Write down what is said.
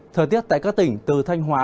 thời tiết tại các tỉnh từ thanh hóa